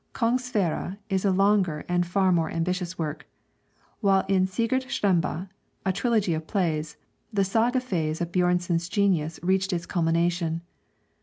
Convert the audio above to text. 'Kong Sverre' is a longer and far more ambitious work; while in 'Sigurd Slembe,' a trilogy of plays, the saga phase of Björnson's genius reached its culmination.